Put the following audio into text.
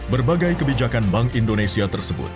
berbagai kebijakan bank indonesia tersebut